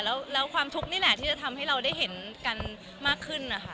แล้วความทุกข์นี่แหละที่จะทำให้เราได้เห็นกันมากขึ้นนะคะ